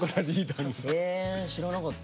え知らなかった。